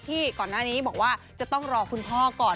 ก่อนหน้านี้บอกว่าจะต้องรอคุณพ่อก่อน